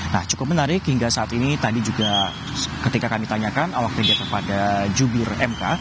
nah cukup menarik hingga saat ini tadi juga ketika kami tanyakan awak media kepada jubir mk